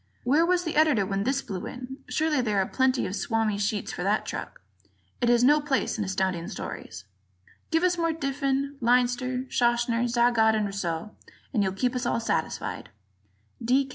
Where was the Editor when this blew in? Surely there are plenty of Swami sheets for that truck; it has no place in Astounding Stories. Give us more of Diffin, Leinster, Schachner, Zagat and Rousseau, and you'll keep us all satisfied. D.